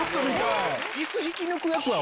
椅子引き抜く役は。